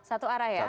satu arah ya oke